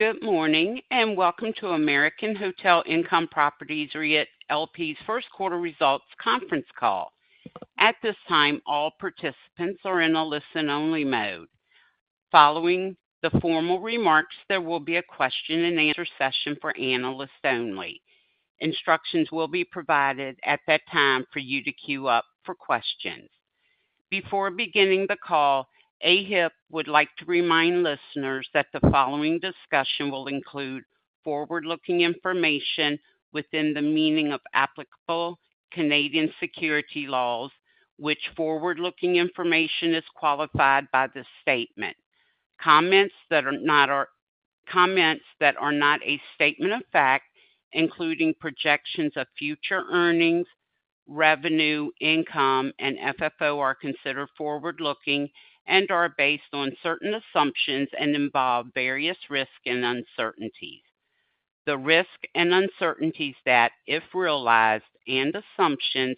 Good morning, and welcome to American Hotel Income Properties REIT LP's First Quarter Results Conference Call. At this time, all participants are in a listen-only mode. Following the formal remarks, there will be a question and answer session for analysts only. Instructions will be provided at that time for you to queue up for questions. Before beginning the call, AHIP would like to remind listeners that the following discussion will include forward-looking information within the meaning of applicable Canadian security laws, which forward-looking information is qualified by this statement. Comments that are not a statement of fact, including projections of future earnings, revenue, income, and FFO, are considered forward-looking and are based on certain assumptions and involve various risks and uncertainties. The risks and uncertainties that, if realized, and assumptions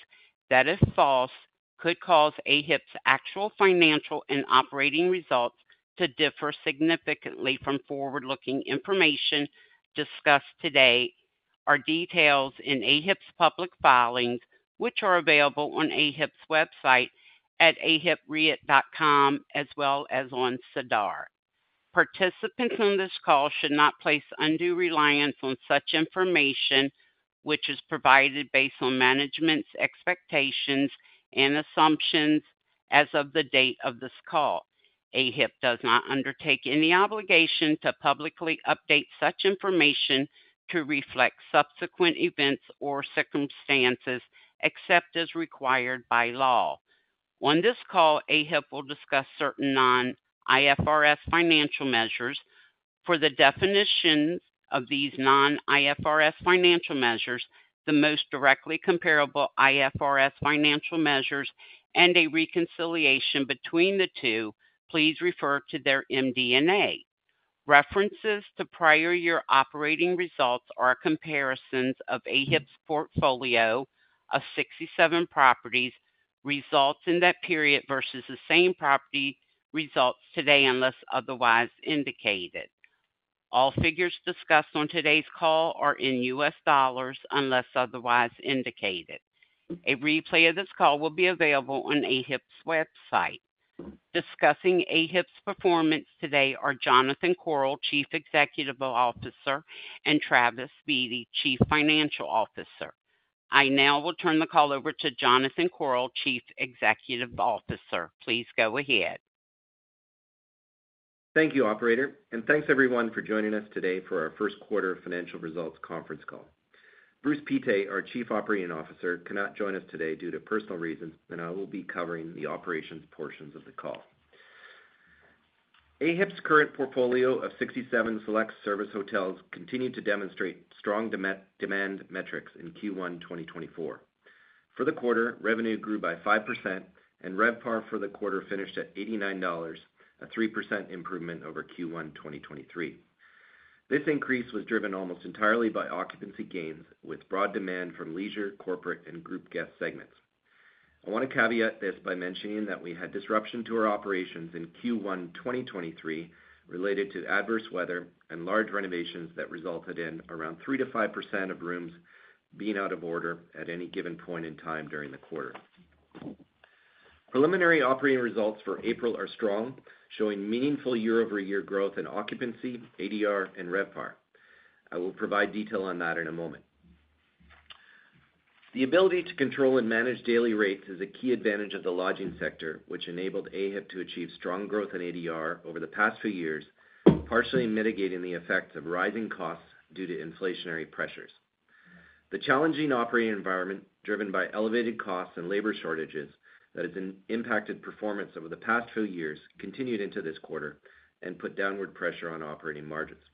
that are false, could cause AHIP's actual financial and operating results to differ significantly from forward-looking information discussed today are detailed in AHIP's public filings, which are available on AHIP's website at ahipreit.com, as well as on SEDAR. Participants on this call should not place undue reliance on such information, which is provided based on management's expectations and assumptions as of the date of this call. AHIP does not undertake any obligation to publicly update such information to reflect subsequent events or circumstances, except as required by law. On this call, AHIP will discuss certain non-IFRS financial measures. For the definition of these non-IFRS financial measures, the most directly comparable IFRS financial measures, and a reconciliation between the two, please refer to their MD&A. References to prior year operating results are comparisons of AHIP's portfolio of 67 properties, results in that period versus the same property results today, unless otherwise indicated. All figures discussed on today's call are in U.S. dollars, unless otherwise indicated. A replay of this call will be available on AHIP's website. Discussing AHIP's performance today are Jonathan Korol, Chief Executive Officer, and Travis Beatty, Chief Financial Officer. I now will turn the call over to Jonathan Korol, Chief Executive Officer. Please go ahead. Thank you, operator, and thanks everyone for joining us today for our First Quarter Financial Results Conference Call. Bruce Pittet, our Chief Operating Officer, cannot join us today due to personal reasons, and I will be covering the operations portions of the call. AHIP's current portfolio of 67 select service hotels continued to demonstrate strong demand metrics in Q1 2024. For the quarter, revenue grew by 5%, and RevPAR for the quarter finished at $89, a 3% improvement over Q1 2023. This increase was driven almost entirely by occupancy gains, with broad demand from leisure, corporate, and group guest segments. I want to caveat this by mentioning that we had disruption to our operations in Q1, 2023, related to adverse weather and large renovations that resulted in around 3%-5% of rooms being out of order at any given point in time during the quarter. Preliminary operating results for April are strong, showing meaningful year-over-year growth in occupancy, ADR, and RevPAR. I will provide detail on that in a moment. The ability to control and manage daily rates is a key advantage of the lodging sector, which enabled AHIP to achieve strong growth in ADR over the past few years, partially mitigating the effects of rising costs due to inflationary pressures. The challenging operating environment, driven by elevated costs and labor shortages that has been impacted performance over the past few years, continued into this quarter and put downward pressure on operating margins.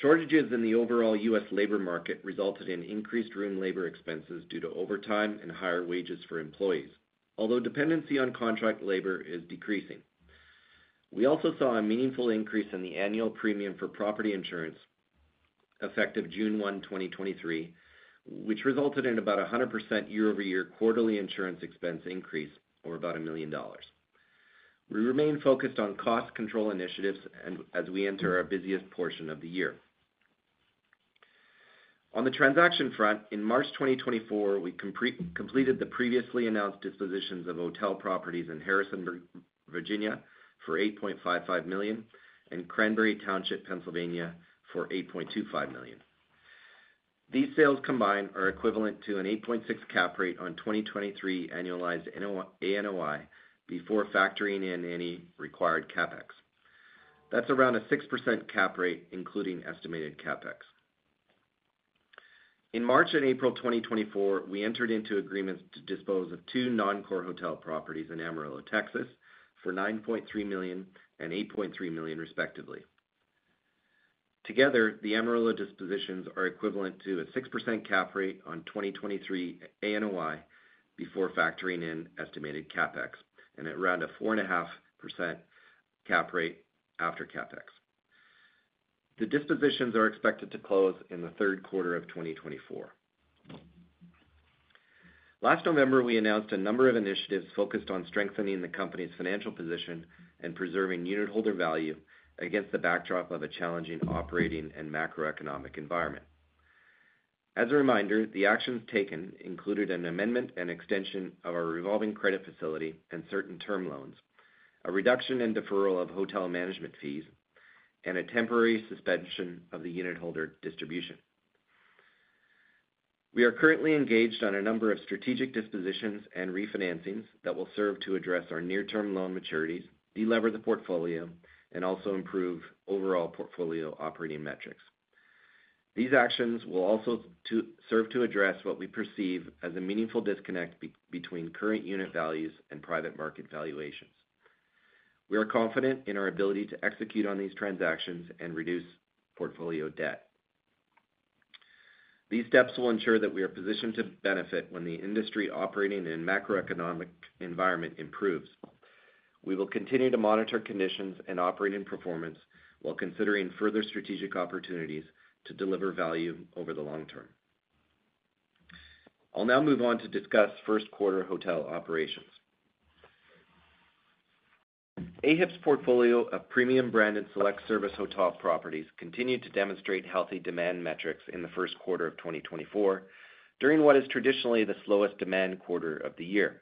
Shortages in the overall U.S. labor market resulted in increased room labor expenses due to overtime and higher wages for employees, although dependency on contract labor is decreasing. We also saw a meaningful increase in the annual premium for property insurance effective June 1, 2023, which resulted in about 100% year-over-year quarterly insurance expense increase, or about $1 million. We remain focused on cost control initiatives and as we enter our busiest portion of the year. On the transaction front, in March 2024, we completed the previously announced dispositions of hotel properties in Harrisonburg, Virginia, for $8.55 million, and Cranberry Township, Pennsylvania, for $8.25 million. These sales combined are equivalent to an 8.6% cap rate on 2023 annualized NOI before factoring in any required CapEx. That's around a 6% cap rate, including estimated CapEx. In March and April 2024, we entered into agreements to dispose of two non-core hotel properties in Amarillo, Texas, for $9.3 million and $8.3 million, respectively. Together, the Amarillo dispositions are equivalent to a 6% cap rate on 2023 ANOI before factoring in estimated CapEx and around a 4.5% cap rate after CapEx. The dispositions are expected to close in the third quarter of 2024. Last November, we announced a number of initiatives focused on strengthening the company's financial position and preserving unitholder value against the backdrop of a challenging operating and macroeconomic environment. As a reminder, the actions taken included an amendment and extension of our revolving credit facility and certain term loans, a reduction in deferral of hotel management fees, and a temporary suspension of the unitholder distribution. We are currently engaged on a number of strategic dispositions and refinancings that will serve to address our near-term loan maturities, delever the portfolio, and also improve overall portfolio operating metrics. These actions will also serve to address what we perceive as a meaningful disconnect between current unit values and private market valuations. We are confident in our ability to execute on these transactions and reduce portfolio debt. These steps will ensure that we are positioned to benefit when the industry operating and macroeconomic environment improves. We will continue to monitor conditions and operating performance, while considering further strategic opportunities to deliver value over the long term. I'll now move on to discuss first quarter hotel operations. AHIP's portfolio of premium brand and select service hotel properties continued to demonstrate healthy demand metrics in the first quarter of 2024, during what is traditionally the slowest demand quarter of the year.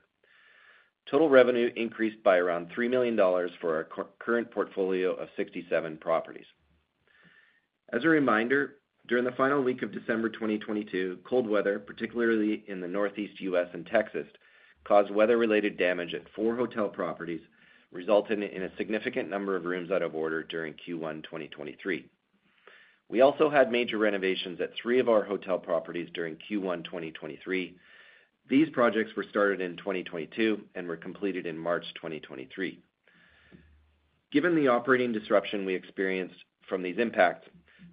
Total revenue increased by around $3 million for our current portfolio of 67 properties. As a reminder, during the final week of December 2022, cold weather, particularly in the Northeast U.S. and Texas, caused weather-related damage at four hotel properties, resulting in a significant number of rooms out of order during Q1 2023. We also had major renovations at three of our hotel properties during Q1 2023. These projects were started in 2022 and were completed in March 2023. Given the operating disruption we experienced from these impacts,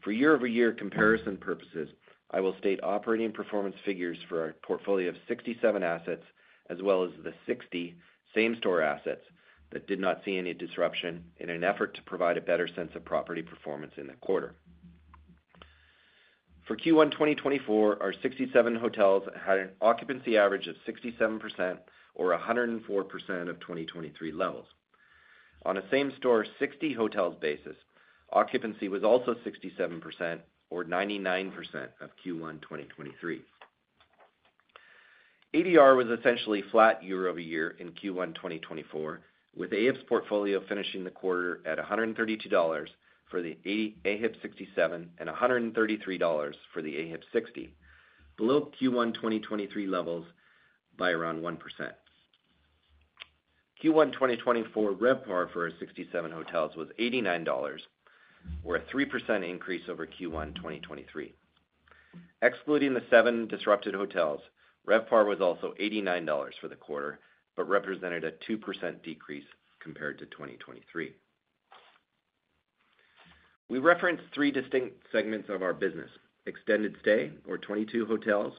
for year-over-year comparison purposes, I will state operating performance figures for our portfolio of 67 assets, as well as the 60 same store assets that did not see any disruption in an effort to provide a better sense of property performance in the quarter. For Q1 2024, our 67 hotels had an occupancy average of 67% or 104% of 2023 levels. On a same store, 60 hotels basis, occupancy was also 67% or 99% of Q1 2023. ADR was essentially flat year-over-year in Q1 2024, with AHIP's portfolio finishing the quarter at $132 for the AHIP 67, and $133 for the AHIP 60, below Q1 2023 levels by around 1%. Q1 2024 RevPAR for our 67 hotels was $89, or a 3% increase over Q1 2023. Excluding the seven disrupted hotels, RevPAR was also $89 for the quarter, but represented a 2% decrease compared to 2023. We referenced three distinct segments of our business: Extended Stay or 22 hotels,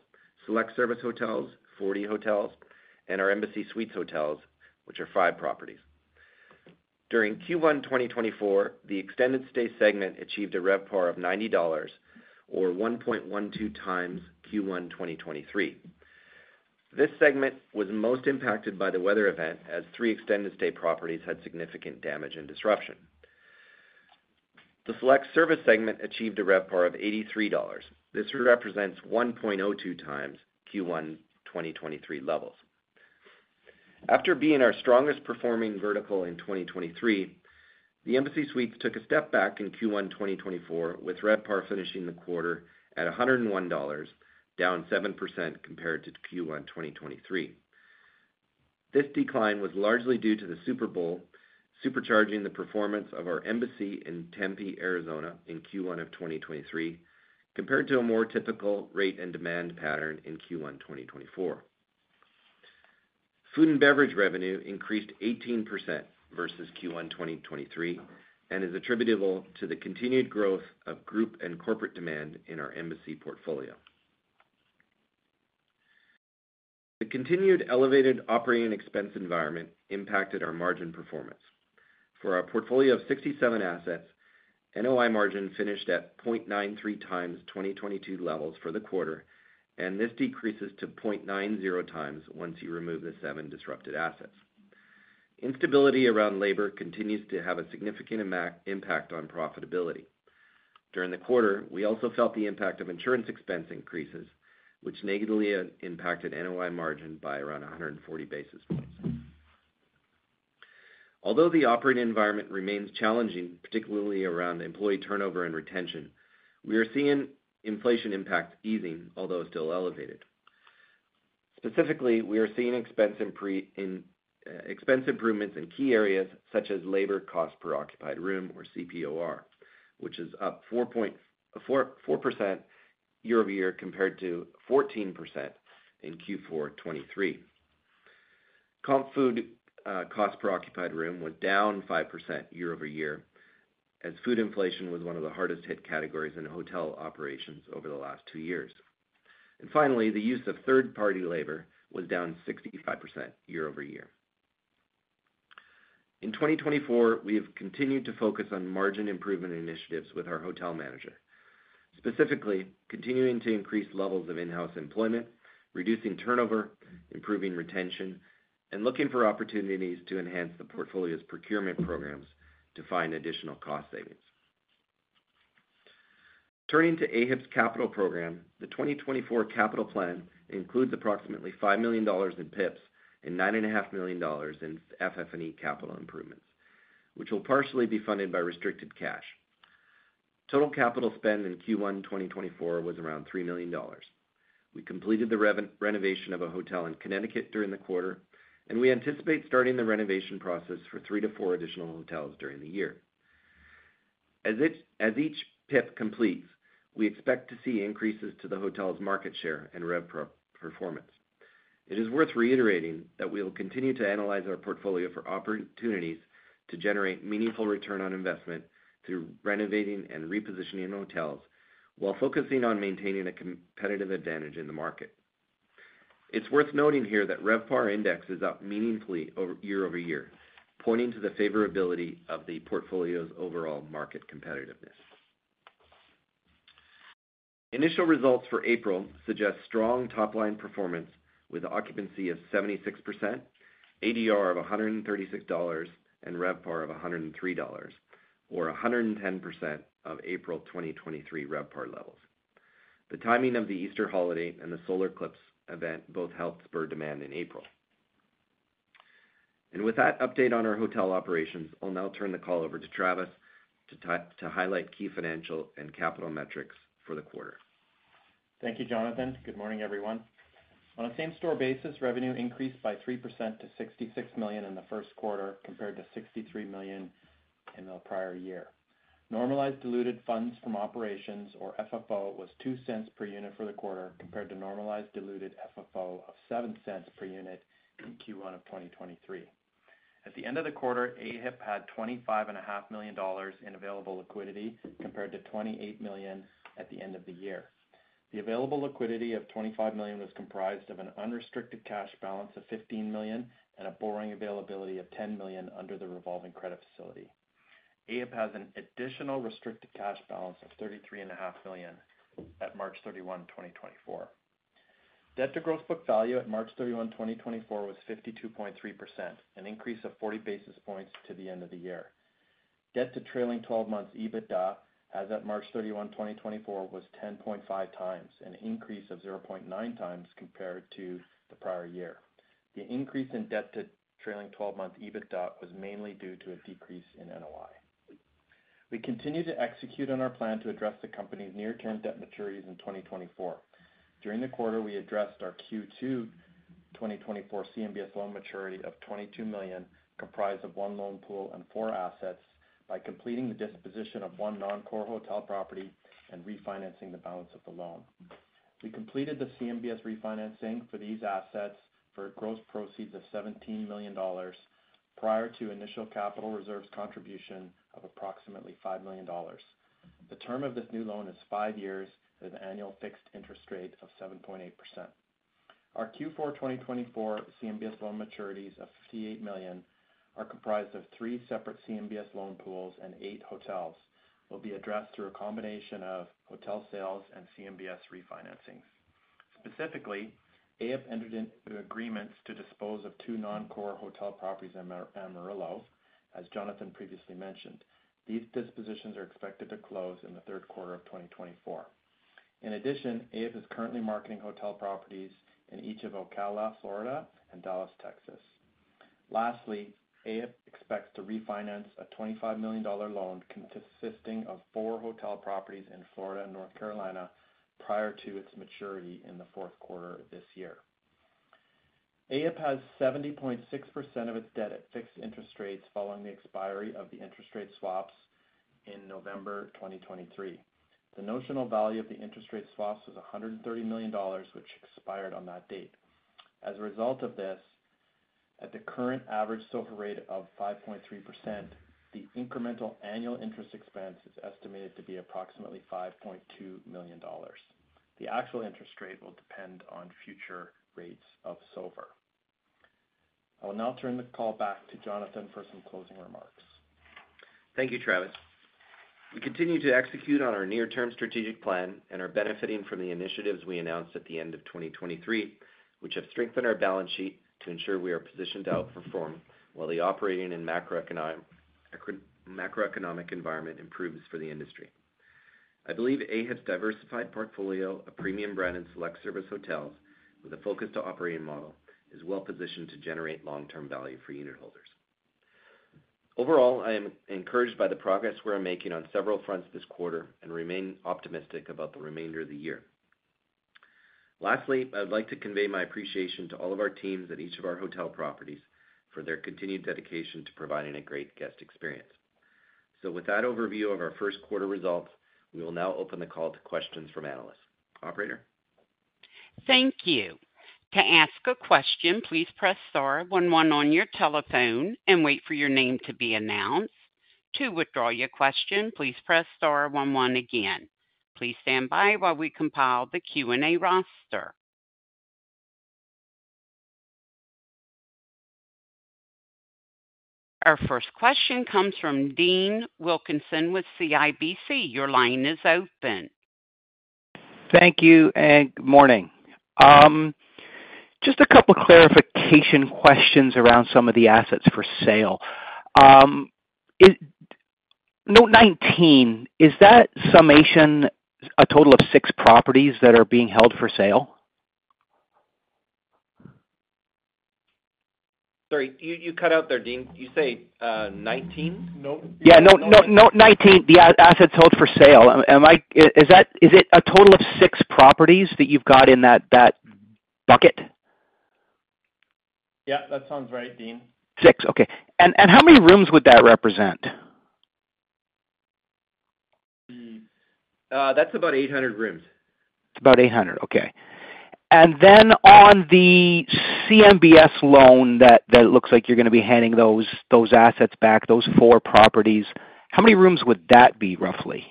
Select Service hotels, 40 hotels, and our Embassy Suites hotels, which are five properties. During Q1 2024, the Extended Stay segment achieved a RevPAR of $90, or 1.12x Q1 2023. This segment was most impacted by the weather event, as three Extended Stay properties had significant damage and disruption. The Select Service segment achieved a RevPAR of $83. This represents 1.02x Q1 2023 levels. After being our strongest performing vertical in 2023, the Embassy Suites took a step back in Q1 2024, with RevPAR finishing the quarter at $101, down 7% compared to Q1 2023. This decline was largely due to the Super Bowl, supercharging the performance of our Embassy in Tempe, Arizona, in Q1 of 2023, compared to a more typical rate and demand pattern in Q1 2024. Food and beverage revenue increased 18% versus Q1 2023, and is attributable to the continued growth of group and corporate demand in our Embassy portfolio. The continued elevated operating expense environment impacted our margin performance. For our portfolio of 67 assets, NOI margin finished at 0.93x 2022 levels for the quarter, and this decreases to 0.90x once you remove the seven disrupted assets. Instability around labor continues to have a significant impact on profitability. During the quarter, we also felt the impact of insurance expense increases, which negatively impacted NOI margin by around 100 basis points. Although the operating environment remains challenging, particularly around employee turnover and retention, we are seeing inflation impacts easing, although still elevated. Specifically, we are seeing expense improvements in key areas such as labor cost per occupied room or CPOR, which is up 4.4% year-over-year, compared to 14% in Q4 2023. Comp food cost per occupied room was down 5% year-over-year, as food inflation was one of the hardest hit categories in hotel operations over the last two years. And finally, the use of third-party labor was down 65% year-over-year. In 2024, we have continued to focus on margin improvement initiatives with our hotel manager. Specifically, continuing to increase levels of in-house employment, reducing turnover, improving retention, and looking for opportunities to enhance the portfolio's procurement programs to find additional cost savings. Turning to AHIP's capital program, the 2024 capital plan includes approximately $5 million in PIPs and $9.5 million in FF&E capital improvements, which will partially be funded by restricted cash. Total capital spend in Q1 2024 was around $3 million. We completed the renovation of a hotel in Connecticut during the quarter, and we anticipate starting the renovation process for three to four additional hotels during the year. As each PIP completes, we expect to see increases to the hotel's market share and RevPAR performance. It is worth reiterating that we will continue to analyze our portfolio for opportunities to generate meaningful return on investment through renovating and repositioning hotels, while focusing on maintaining a competitive advantage in the market. It's worth noting here that RevPAR index is up meaningfully over year-over-year, pointing to the favorability of the portfolio's overall market competitiveness. Initial results for April suggest strong top-line performance, with occupancy of 76%, ADR of $136, and RevPAR of $103, or 110% of April 2023 RevPAR levels. The timing of the Easter holiday and the solar eclipse event both helped spur demand in April. And with that update on our hotel operations, I'll now turn the call over to Travis, to highlight key financial and capital metrics for the quarter. Thank you, Jonathan. Good morning, everyone. On a same-store basis, revenue increased by 3% to $66 million in the first quarter, compared to $63 million in the prior year. Normalized diluted funds from operations, or FFO, was $0.02 per unit for the quarter, compared to normalized diluted FFO of $0.07 per unit in Q1 of 2023. At the end of the quarter, AHIP had $25.5 million in available liquidity, compared to $28 million at the end of the year. The available liquidity of $25 million was comprised of an unrestricted cash balance of $15 million and a borrowing availability of $10 million under the revolving credit facility. AHIP has an additional restricted cash balance of $33.5 million at March 31, 2024. Debt to gross book value at March 31, 2024 was 52.3%, an increase of 40 basis points to the end of the year. Debt to trailing twelve months EBITDA, as at March 31, 2024, was 10.5x, an increase of 0.9x compared to the prior year. The increase in debt to trailing twelve-month EBITDA was mainly due to a decrease in NOI. We continue to execute on our plan to address the company's near-term debt maturities in 2024. During the quarter, we addressed our Q2 2024 CMBS loan maturity of $22 million, comprised of one loan pool and four assets, by completing the disposition of one non-core hotel property and refinancing the balance of the loan. We completed the CMBS refinancing for these assets for gross proceeds of $17 million prior to initial capital reserves contribution of approximately $5 million. The term of this new loan is five years, with an annual fixed interest rate of 7.8%. Our Q4 2024 CMBS loan maturities of $58 million are comprised of three separate CMBS loan pools and eight hotels will be addressed through a combination of hotel sales and CMBS refinancings. Specifically, AHIP entered into agreements to dispose of two non-core hotel properties in Amarillo, as Jonathan previously mentioned. These dispositions are expected to close in the third quarter of 2024. In addition, AHIP is currently marketing hotel properties in each of Ocala, Florida, and Dallas, Texas. Lastly, AHIP expects to refinance a $25 million loan consisting of four hotel properties in Florida and North Carolina prior to its maturity in the fourth quarter this year. AHIP has 70.6% of its debt at fixed interest rates following the expiry of the interest rate swaps in November 2023. The notional value of the interest rate swaps was $130 million, which expired on that date. As a result of this, at the current average SOFR rate of 5.3%, the incremental annual interest expense is estimated to be approximately $5.2 million. The actual interest rate will depend on future rates of SOFR. I will now turn the call back to Jonathan for some closing remarks. Thank you, Travis. We continue to execute on our near-term strategic plan and are benefiting from the initiatives we announced at the end of 2023, which have strengthened our balance sheet to ensure we are positioned to outperform while the operating and macroeconomic environment improves for the industry. I believe AHIP's diversified portfolio of premium brand and select service hotels with a focus to operating model, is well positioned to generate long-term value for unitholders. Overall, I am encouraged by the progress we're making on several fronts this quarter and remain optimistic about the remainder of the year. Lastly, I would like to convey my appreciation to all of our teams at each of our hotel properties for their continued dedication to providing a great guest experience. So with that overview of our first quarter results, we will now open the call to questions from analysts. Operator? Thank you. To ask a question, please press star one one on your telephone and wait for your name to be announced. To withdraw your question, please press star one one again. Please stand by while we compile the Q&A roster. Our first question comes from Dean Wilkinson with CIBC. Your line is open. Thank you, and good morning. Just a couple clarification questions around some of the assets for sale. Note 19, is that summation a total of six properties that are being held for sale? Sorry, you cut out there, Dean. Did you say 19? Yeah, Note 19, the assets held for sale. Is that a total of six properties that you've got in that bucket? Yeah, that sounds right, Dean. Six, okay. And, and how many rooms would that represent? That's about 800 rooms. It's about 800. Okay. And then on the CMBS loan, that looks like you're gonna be handing those assets back, those four properties, how many rooms would that be, roughly?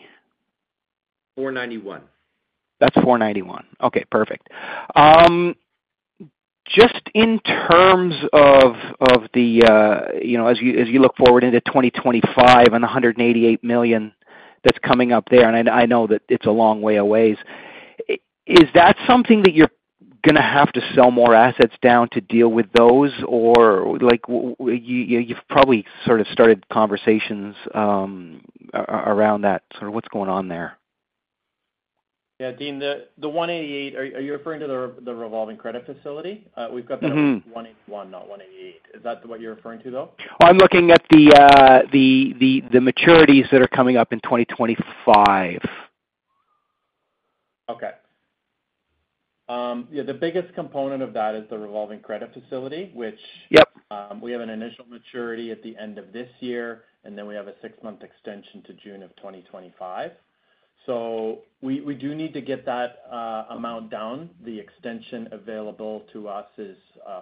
491. That's 491. Okay, perfect. Just in terms of, of the, you know, as you, as you look forward into 2025 and $188 million that's coming up there, and I, I know that it's a long way away, is that something that you're gonna have to sell more assets down to deal with those? Or like, you, you've probably sort of started conversations, around that, sort of what's going on there? Yeah, Dean, the $188 million, are you referring to the revolving credit facility? We've got that $181 million not $188 million. Is that what you're referring to, though? I'm looking at the maturities that are coming up in 2025. Okay. Yeah, the biggest component of that is the revolving credit facility, which we have an initial maturity at the end of this year, and then we have a six-month extension to June 2025. So we do need to get that amount down. The extension available to us is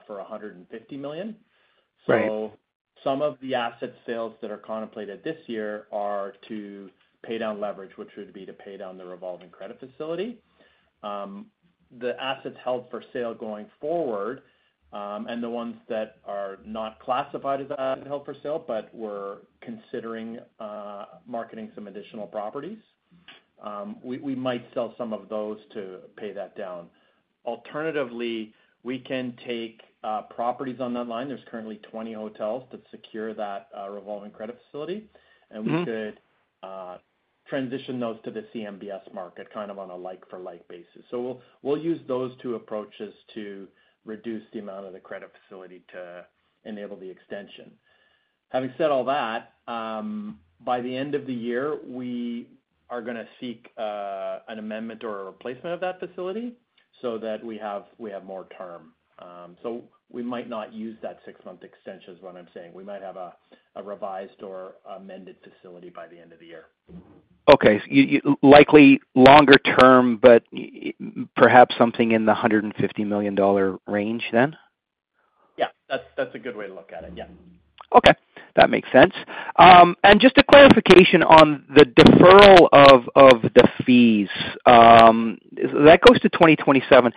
for $150 million. Right. So some of the asset sales that are contemplated this year are to pay down leverage, which would be to pay down the revolving credit facility. The assets held for sale going forward, and the ones that are not classified as held for sale, but we're considering marketing some additional properties, we, we might sell some of those to pay that down. Alternatively, we can take properties on that line. There's currently 20 hotels that secure that revolving credit facility. Mm-hmm. And we could transition those to the CMBS market, kind of on a like-for-like basis. So we'll, we'll use those two approaches to reduce the amount of the credit facility to enable the extension. Having said all that, by the end of the year, we are gonna seek an amendment or a replacement of that facility so that we have, we have more term. So we might not use that six-month extension, is what I'm saying. We might have a revised or amended facility by the end of the year. Okay. Likely longer term, but perhaps something in the $150 million range then? Yeah, that's, that's a good way to look at it. Yeah. Okay. That makes sense. And just a clarification on the deferral of, of the fees. That goes to 2027.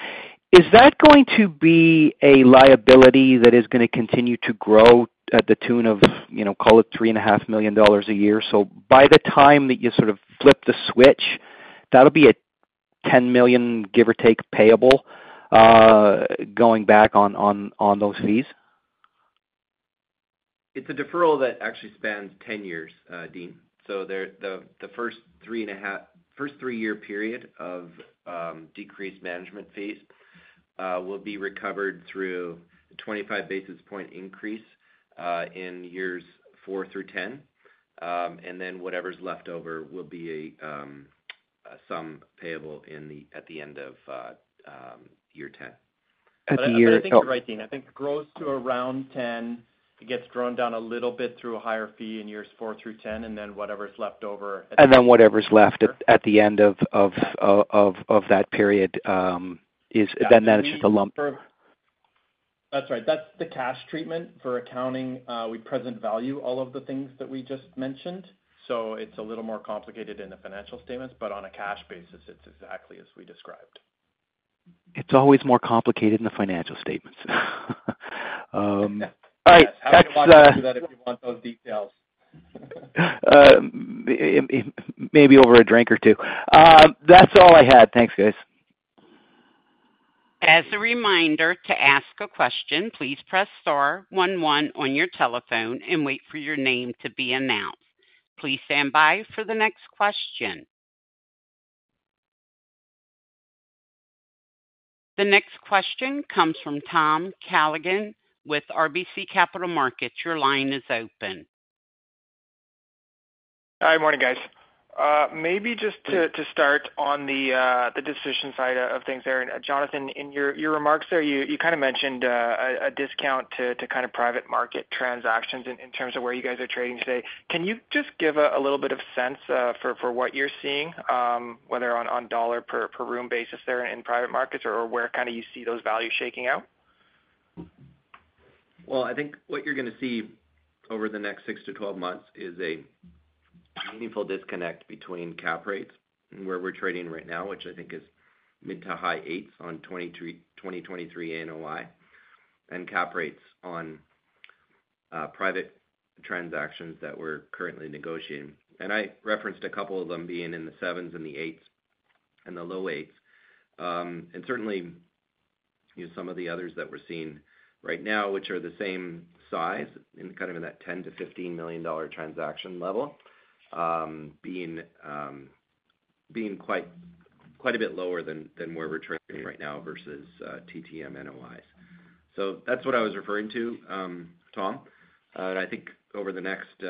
Is that going to be a liability that is gonna continue to grow at the tune of, you know, call it $3.5 million a year? So by the time that you sort of flip the switch, that'll be a $10 million, give or take, payable going back on, on, on those fees. It's a deferral that actually spans 10 years, Dean. So, the first three-year period of decreased management fees will be recovered through a 25 basis point increase in years four through 10. And then whatever's left over will be a sum payable at the end of year 10. Year. I think you're right, Dean. I think it grows to around 10. It gets drawn down a little bit through a higher fee in years four through 10, and then whatever's left over- And then whatever's left at the end of that period is. Then that is just a lump. That's right. That's the cash treatment for accounting. We present value all of the things that we just mentioned, so it's a little more complicated in the financial statements, but on a cash basis, it's exactly as we described. It's always more complicated in the financial statements. All right. Yeah. Next. If you want those details. Maybe over a drink or two. That's all I had. Thanks, guys. As a reminder, to ask a question, please press star one one on your telephone and wait for your name to be announced. Please stand by for the next question. The next question comes from Tom Callaghan with RBC Capital Markets. Your line is open. Hi, good morning, guys. Maybe just to start on the decision side of things there. Jonathan, in your remarks there, you kind of mentioned a discount to kind of private market transactions in terms of where you guys are trading today. Can you just give a little bit of sense for what you're seeing, whether on dollar per room basis there in private markets, or where kind of you see those values shaking out? Well, I think what you're gonna see over the next six to 12 months is a meaningful disconnect between cap rates and where we're trading right now, which I think is mid to high eights on 2023 NOI, and cap rates on private transactions that we're currently negotiating. And I referenced a couple of them being in the sevens and the eights, and the low eights. And certainly, you know, some of the others that we're seeing right now, which are the same size, in kind of in that $10 million-$15 million transaction level, being quite, quite a bit lower than where we're trading right now versus TTM NOIs. So that's what I was referring to, Tom. I think over the next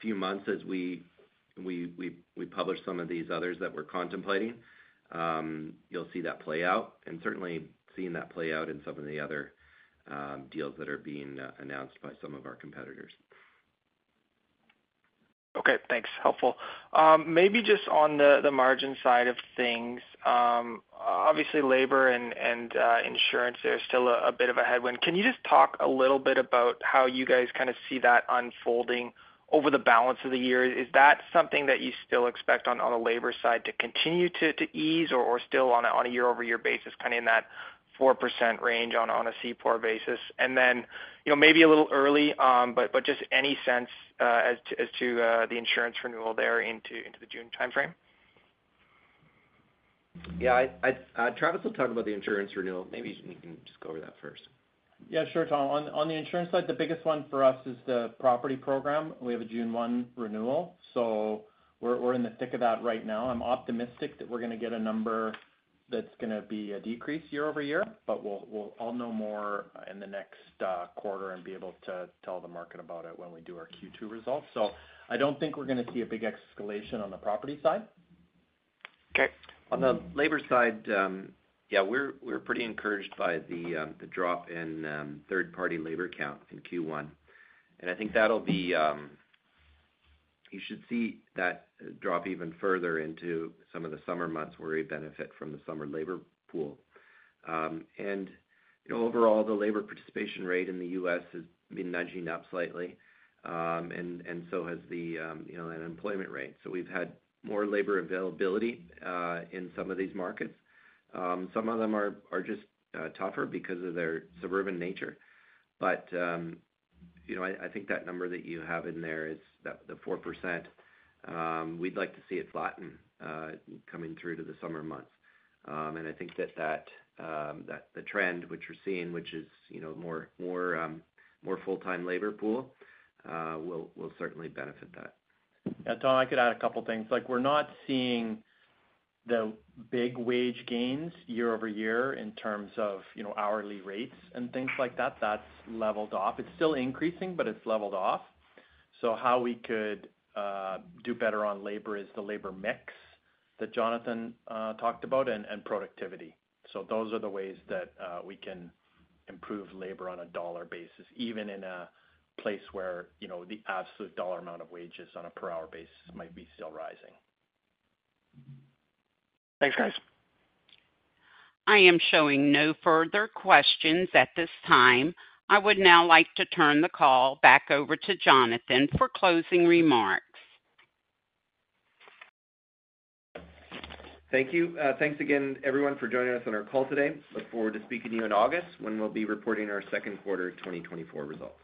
few months, as we publish some of these others that we're contemplating, you'll see that play out, and certainly seeing that play out in some of the other deals that are being announced by some of our competitors. Okay, thanks. Helpful. Maybe just on the, the margin side of things. Obviously, labor and, and, insurance, there's still a, a bit of a headwind. Can you just talk a little bit about how you guys kinda see that unfolding over the balance of the year? Is that something that you still expect on, on the labor side to continue to, to ease, or, or still on a, on a year-over-year basis, kinda in that 4% range on, on a CPOR basis? And then, you know, maybe a little early, but, but just any sense, as to, as to, the insurance renewal there into, into the June timeframe? Yeah, Travis will talk about the insurance renewal. Maybe you can just go over that first. Yeah, sure, Tom. On the insurance side, the biggest one for us is the property program. We have a June 1 renewal, so we're in the thick of that right now. I'm optimistic that we're gonna get a number that's gonna be a decrease year-over-year, but we'll. I'll know more in the next quarter and be able to tell the market about it when we do our Q2 results. So I don't think we're gonna see a big escalation on the property side. Okay. On the labor side, yeah, we're pretty encouraged by the drop in third-party labor count in Q1. And I think that'll be, you should see that drop even further into some of the summer months, where we benefit from the summer labor pool. And overall, the labor participation rate in the U.S. has been nudging up slightly, and so has the, you know, unemployment rate. So we've had more labor availability in some of these markets. Some of them are just tougher because of their suburban nature. But, you know, I think that number that you have in there is the 4%, we'd like to see it flatten coming through to the summer months. I think that the trend which we're seeing, which is, you know, more full-time labor pool, will certainly benefit that. Yeah, Tom, I could add a couple things. Like, we're not seeing the big wage gains year over year in terms of, you know, hourly rates and things like that. That's leveled off. It's still increasing, but it's leveled off. So how we could do better on labor is the labor mix that Jonathan talked about, and productivity. So those are the ways that we can improve labor on a dollar basis, even in a place where, you know, the absolute dollar amount of wages on a per hour basis might be still rising. Thanks, guys. I am showing no further questions at this time. I would now like to turn the call back over to Jonathan for closing remarks. Thank you. Thanks again, everyone, for joining us on our call today. Look forward to speaking to you in August, when we'll be reporting our second quarter 2024 results.